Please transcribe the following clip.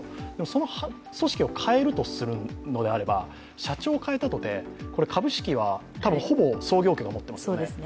その組織を変えるとするのであれば社長を代えたとし、株式はほぼ創業家が持ってますよね。